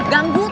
ganggu tau gak